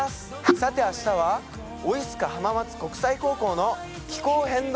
さて、明日はオイスカ浜松国際高校の気候変動